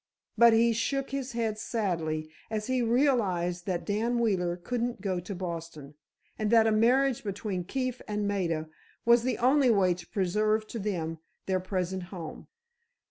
But he shook his head sadly as he realized that Daniel Wheeler couldn't go to Boston, and that a marriage between Keefe and Maida was the only way to preserve to them their present home.